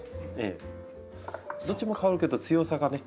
どっちも香るけど強さがね。